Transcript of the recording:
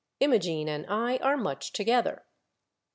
IMOGENE AND I ARE MUCH TOGETHER.